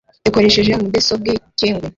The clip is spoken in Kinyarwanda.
ekoresheje mudesobwe cyengwe